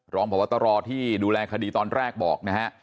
รองพบตรที่ดูแลคดีตอนแรกบอกนะฮะ